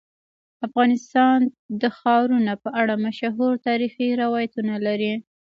افغانستان د ښارونه په اړه مشهور تاریخی روایتونه لري.